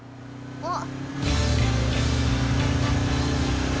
あっ。